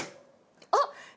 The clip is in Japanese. あっ！